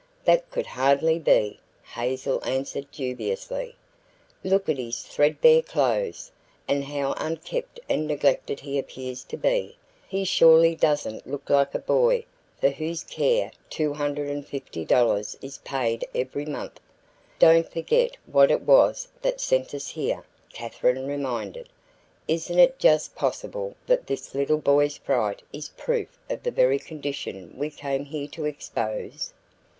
"That could hardly be," Hazel answered dubiously. "Look at his threadbare clothes, and how unkempt and neglected he appears to be. He surely doesn't look like a boy for whose care $250 is paid every month." "Don't forget what it was that sent us here," Katherine reminded. "Isn't it just possible that this little boy's fright is proof of the very condition we came here to expose?"